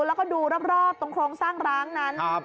แล้วก็ดูรอบตรงโครงสร้างร้างนั้น